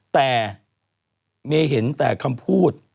แต่เมย์เห็นแต่คำพูด